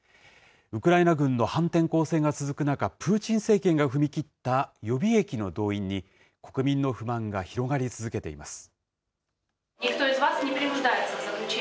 ウクライナ軍の反転攻勢が続く中、プーチン政権が踏み切った予備役の動員に、国民の不満が広がり続けています。